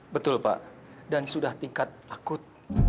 betul pak dan sudah tingkat akut